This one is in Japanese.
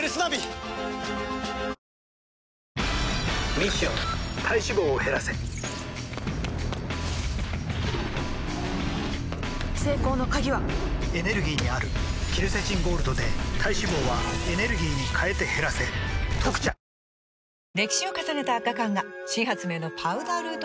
ミッション体脂肪を減らせ成功の鍵はエネルギーにあるケルセチンゴールドで体脂肪はエネルギーに変えて減らせ「特茶」ユーチューバー！